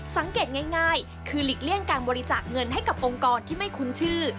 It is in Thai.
สังเกตง่ายคือหลีกเลี่ยงการบริจาคเงินให้กับองค์กรที่ไม่คุ้นชื่อ